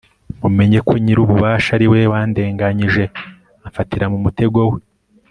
mumenye ko nyir'ububasha ari we wandenganyije amfatira mu mutego we